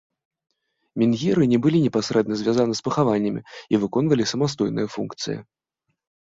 Менгіры не былі непасрэдна звязаны з пахаваннямі і выконвалі самастойныя функцыі.